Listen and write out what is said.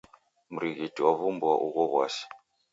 Mrighiti wavumbua ugho w'asi.